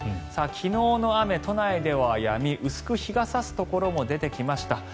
昨日の雨、都内ではやみ薄く日が差すところも出てきました。